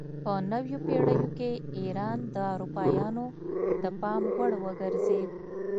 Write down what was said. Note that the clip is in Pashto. په نویو پیړیو کې ایران د اروپایانو د پام وړ وګرځید.